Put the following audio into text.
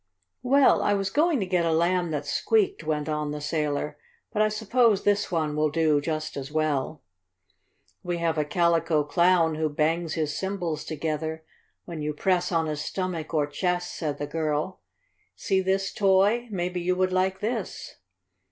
"Well, I was going to get a Lamb that squeaked," went on the sailor, "but I suppose this one will do just as well." "We have a Calico Clown who bangs his cymbals together when you press on his stomach or chest," said the girl. "See this toy! Maybe you would like this!"